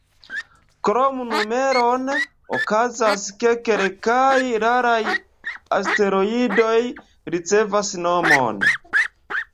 Krom numeron, okazas, ke kelkaj raraj asteroidoj ricevas nomon.